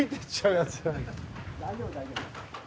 大丈夫大丈夫。